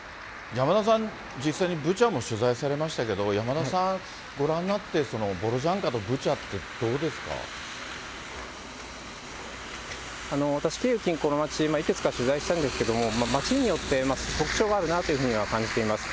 山田さん、実際にブチャも取材されましたけど、山田さんはご覧になって、ボロジャンカとブチャって、どうですか私、キーウ近郊の町、いくつか取材したんですけど、町によって特徴があるなというふうには感じています。